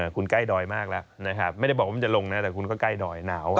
คุณใกล้ดอยมากแล้วนะครับไม่ได้บอกว่ามันจะลงนะแต่คุณก็ใกล้ดอยหนาว